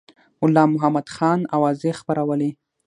غلام محمدخان اوازې خپرولې.